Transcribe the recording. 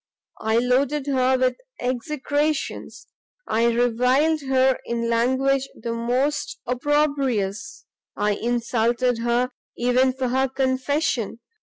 I loaded her with execrations, I reviled her in language the most opprobrious, I insulted her even for her confession!